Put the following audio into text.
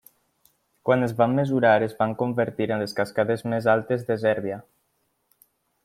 Quan es van mesurar es van convertir en les cascades més altes de Sèrbia.